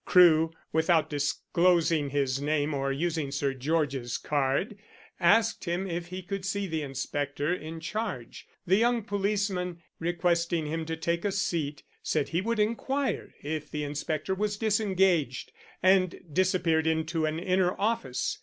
Crewe, without disclosing his name or using Sir George's card, asked him if he could see the inspector in charge. The young policeman, requesting him to take a seat, said he would inquire if the inspector was disengaged, and disappeared into an inner office.